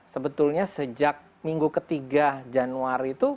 sebetulnya sejak minggu ketiga januari itu